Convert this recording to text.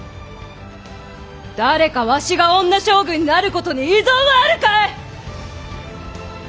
誰かわしが女将軍になることに異存はあるかえ！